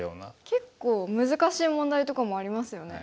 結構難しい問題とかもありますよね。